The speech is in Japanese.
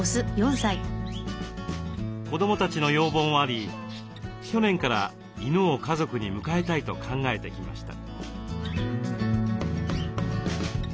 子どもたちの要望もあり去年から犬を家族に迎えたいと考えてきました。